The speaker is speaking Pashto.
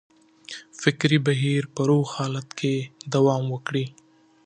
فکري بهیر په روغ حالت کې دوام وکړي.